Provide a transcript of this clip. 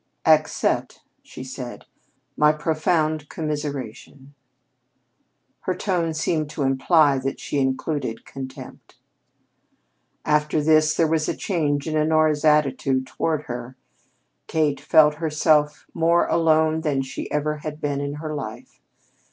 "Accept," she said, "my profound commiseration." Her tone seemed to imply that she included contempt. After this, there was a change in Honora's attitude toward her. Kate felt herself more alone than she ever had been in her life.